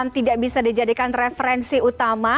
tidak bisa dijadikan referensi utama